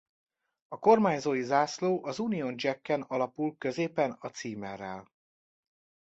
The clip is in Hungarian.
A kormányzói zászló az Union Jacken alapul középen a címerrel.